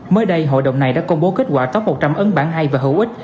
mới đây hội đồng này đã công bố kết quả top một trăm linh ấn bản hay và hữu ích